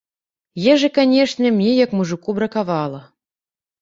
Ежы, канечне, мне як мужыку бракавала.